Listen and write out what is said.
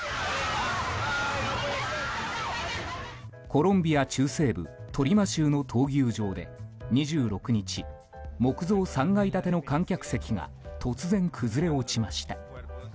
コロンビア中西部トリマ州の闘牛場で２６日木造３階建ての観客席が突然崩れ落ちました。